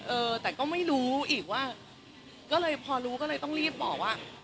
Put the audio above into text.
เออแต่ก็ไม่รู้อีกว่าก็เลยพอรู้ก็เลยต้องรีบบอกว่า